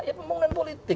ya pembangunan politik